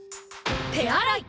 手洗い！